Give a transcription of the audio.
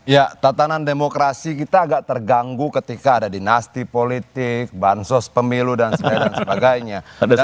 ya tatanan demokrasi kita agak terganggu ketika ada dinasti politik bansos pemilu dan sebagainya